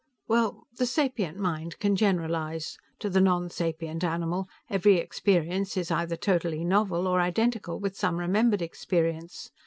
"Well, the sapient mind can generalize. To the nonsapient animal, every experience is either totally novel or identical with some remembered experience.